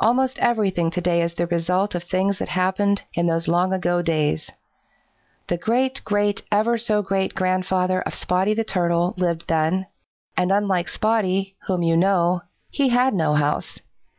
Almost everything to day is the result of things that happened in those long ago days. The great great ever so great grandfather of Spotty the Turtle lived then, and unlike Spotty, whom you know, he had no house.